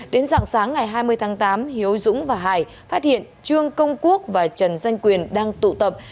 đến dạng sáng ngày hai mươi tháng tám hiếu dũng và hải phát hiện trương công quốc và trần danh quyền đang tụ tập